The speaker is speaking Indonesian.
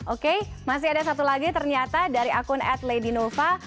oke masih ada satu lagi ternyata dari akun at lady nova